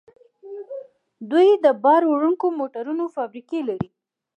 دوی د بار وړونکو موټرو فابریکې لري.